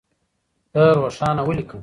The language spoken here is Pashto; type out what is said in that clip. ته روښانه وليکه.